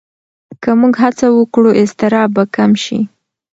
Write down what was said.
که موږ هڅه وکړو، اضطراب به کم شي.